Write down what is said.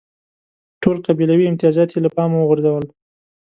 ټول قبیلوي امتیازات یې له پامه وغورځول.